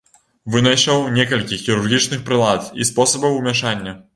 Вынайшаў некалькі хірургічных прылад і спосабаў умяшання.